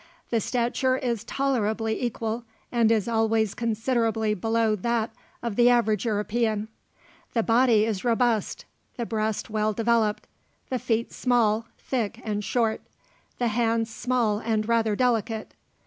The stature is tolerably equal, and is always considerably below that of the average European; the body is robust, the breast well developed, the feet small, thick, and short, the hands small and rather delicate.